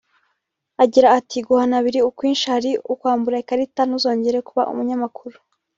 Agira ati “Guhana biri ukwinshi hari ukukwambura ikarita ntuzongere kuba umunyamakuru